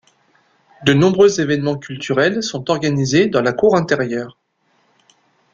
De nombreux évènements culturels sont organisés dans la cour intérieure.